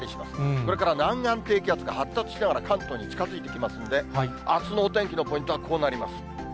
これから南岸低気圧が発達しながら関東に近づいてきますんで、あすのお天気のポイントはこうなります。